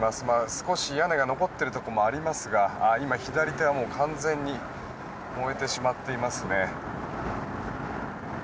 少し屋根が残っているところもありますが左手は完全に燃えてしまっていますね。